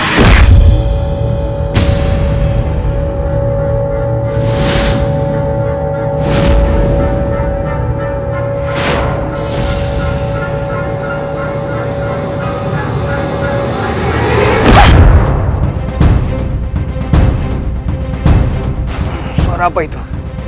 masuklah ke dalam kamar itu